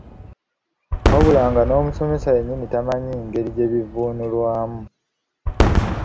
Wabula nga n’omusomesa yennyini tamanyi ngeri gye bivvunulwamu.